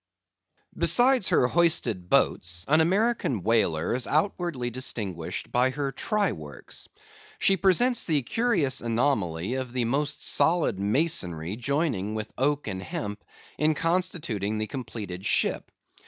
Besides her hoisted boats, an American whaler is outwardly distinguished by her try works. She presents the curious anomaly of the most solid masonry joining with oak and hemp in constituting the completed ship.